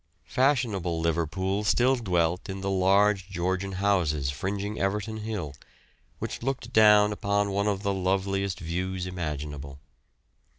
Fashionable Liverpool still dwelt in the large Georgian houses fringing Everton Hill, which looked down upon one of the loveliest views imaginable.